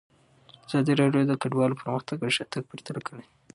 ازادي راډیو د کډوالو پرمختګ او شاتګ پرتله کړی.